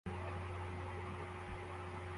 Umukozi wubwubatsi yitegereza indege iguruka